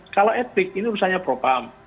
kalau etik ini urusannya propam